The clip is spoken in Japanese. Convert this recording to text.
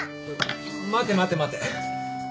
待て待て待て。